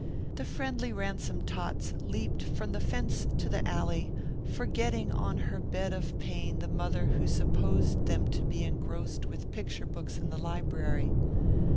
The friendly Ransom tots leaped from the fence to the alley, forgetting on her bed of pain the mother who supposed them to be engrossed with picture books in the library.